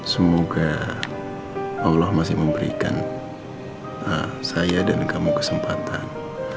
semoga allah masih memberikan saya dan kamu kesempatan